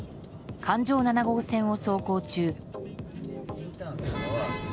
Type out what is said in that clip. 環状７号線を走行中。